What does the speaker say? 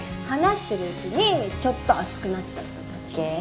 話してるうちにちょっと熱くなっちゃっただけ。